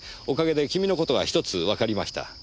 おかげで君の事が１つわかりました。